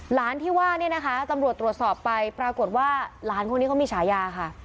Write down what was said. หลานที่ว่าเนี่ยนะคะตำรวจตรวจสอบไปปรากฏว่าหลานคนนี้เขามีฉายาค่ะ